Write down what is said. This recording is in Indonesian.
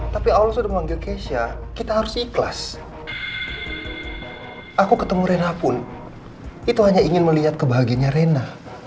tapi allah sudah memanggil keisha kita harus ikhlas aku ketemu rena pun itu hanya ingin melihat kebahagiaannya rena